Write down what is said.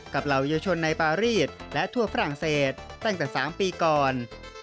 เหล่าเยาวชนในปารีสและทั่วฝรั่งเศสตั้งแต่๓ปีก่อน